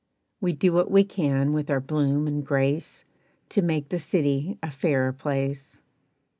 "We do what we can with our bloom and grace, To make the city a fairer place.